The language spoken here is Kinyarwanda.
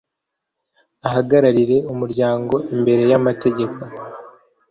ahagararire umuryango imbere y amategeko